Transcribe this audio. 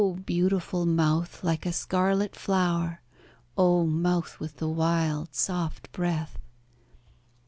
beautiful mouth like a scarlet flow'r, Oh! mouth with the wild, soft breath!